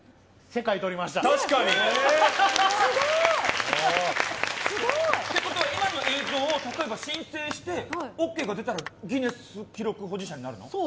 すごい！ということは今の映像を申請してＯＫが出たらギネス記録保持者になるの？